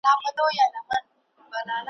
تور او سور زرغون ویاړلی بیرغ غواړم ,